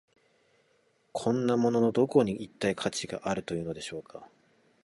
こんなもののどこに、一体価値があるというのでしょうか。